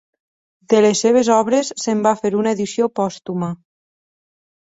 De les seves obres se'n va fer una edició pòstuma.